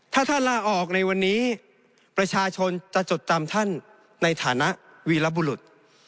ถ้าท่านลาออกในวันนี้ประชาชนจะจดจำท่านในฐานะวีรบุรุษ